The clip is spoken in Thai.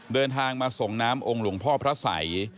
เดินทางมาส่งน้ำองค์หลวงพ่อพระสัย